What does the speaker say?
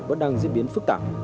vẫn đang diễn biến phức tạp